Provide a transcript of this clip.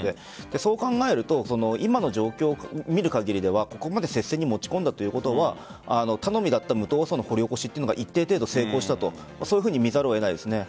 そう考えると今の状況を見る限りではここまで接戦に持ち込んだということは頼みだった無党派層の掘り起こしが一定程度成功したと見ざるを得ません。